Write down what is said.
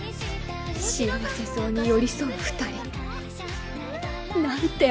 幸せそうに寄り添う二人。なんて